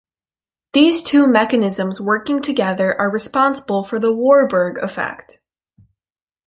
These two mechanisms working together are responsible for the Warburg effect.